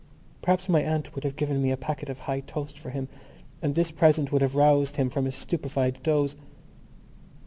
Perhaps my aunt would have given me a packet of High Toast for him and this present would have roused him from his stupefied doze.